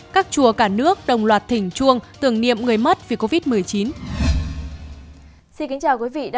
các chùa cả nước đồng loạt thỉnh chuông tưởng niệm người mất vì covid một mươi chín